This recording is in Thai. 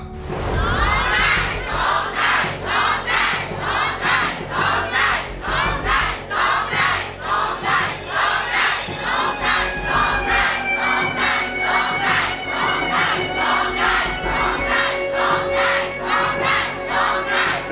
ร้องได้ร้องได้ร้องได้ร้องได้